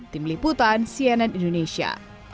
tim liputan cnn indonesia